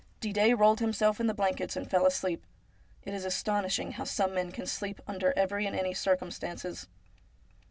Didet rolled himself in the blankets, and fell asleep. It is astonishing how some men can sleep under every and any circumstances.